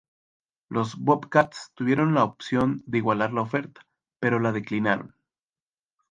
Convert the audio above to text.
Los Bobcats tuvieron la opción de igualar la oferta, pero la declinaron.